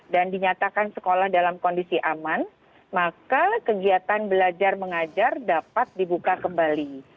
dan dinyatakan sekolah dalam kondisi aman maka kegiatan belajar mengajar dapat dibuka kembali